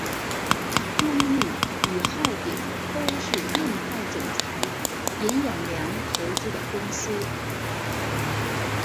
中裕与浩鼎都是润泰总裁尹衍梁投资的公司。